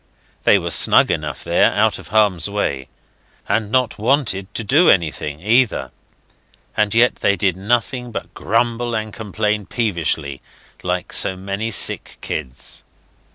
They were snug enough there, out of harm's way, and not wanted to do anything, either; and yet they did nothing but grumble and complain peevishly like so many sick kids.